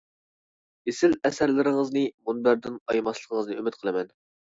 ئېسىل ئەسەرلىرىڭىزنى مۇنبەردىن ئايىماسلىقىڭىزنى ئۈمىد قىلىمەن.